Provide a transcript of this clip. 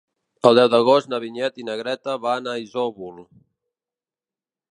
El deu d'agost na Vinyet i na Greta van a Isòvol.